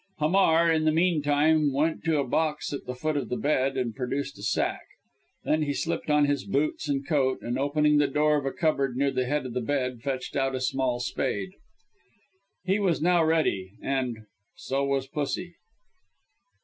Hamar, in the meanwhile went to a box at the foot of the bed and produced a sack. Then he slipped on his boots and coat, and opening the door of a cupboard near the head of the bed fetched out a small spade. He was now ready; and so was pussy.